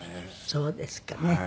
そうですかね。